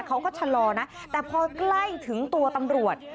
เขาก็ชะลอนะแต่พอใกล้ถึงตัวตำรวจ